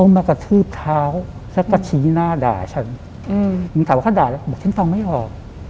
มึงถามว่าเขาด่าแล้วบอกฉันฟังไม่ออก